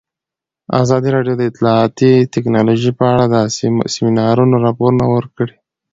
ازادي راډیو د اطلاعاتی تکنالوژي په اړه د سیمینارونو راپورونه ورکړي.